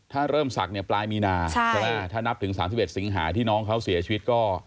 ถ้าเริ่มศักดิ์เนี่ยปลายมีนาใช่ไหมถ้านับถึง๓๑สิงหาที่น้องเขาเสียชีวิตก็